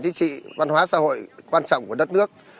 chính trị văn hóa xã hội quan trọng của đất nước